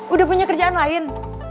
udah punya kerjaan lain